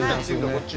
こっち。